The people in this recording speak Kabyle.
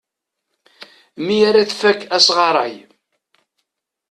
Mi ara tfak asɣaray.